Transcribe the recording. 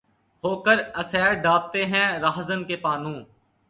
ہو کر اسیر‘ دابتے ہیں‘ راہزن کے پانو